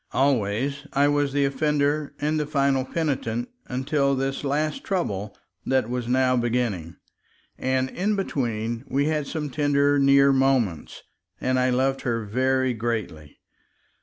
Always I was the offender and the final penitent until this last trouble that was now beginning; and in between we had some tender near moments, and I loved her very greatly.